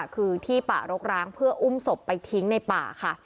คือที่ป่ารกร้างเพื่ออุ้มศพไปทิ้งในป่าค่ะ